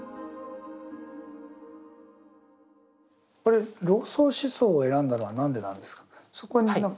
これ老荘思想を選んだのは何でなんですか？